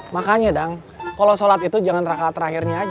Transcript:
makanya dang kalau sholat itu jangan rakat terakhirnya aja